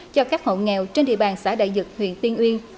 cho các hậu nghèo trên địa bàn xã đại dực huyện tiên uyên